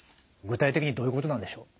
具体的にどういうことなんでしょう？